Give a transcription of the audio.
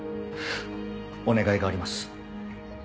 お願いがあります。